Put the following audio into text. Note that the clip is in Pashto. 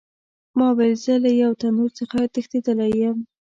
ما ویل زه له یو تنور څخه تښتېدلی یم.